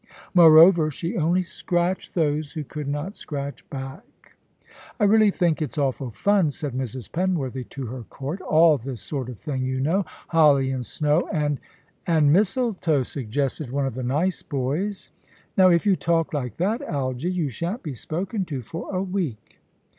Moreover, she only scratched those who could not scratch back. "I really think it's awful fun," said Mrs. Penworthy to her court "all this sort of thing, you know holly and snow and " "And mistletoe," suggested one of the nice boys. "Now if you talk like that, Algy, you shan't be spoken to for a week."